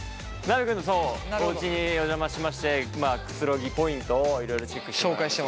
なべくんのおうちにお邪魔しましてくつろぎポイントをいろいろチェックして。